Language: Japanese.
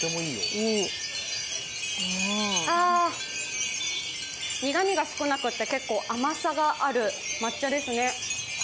あ、苦味が少なくて結構甘さがある抹茶ですね。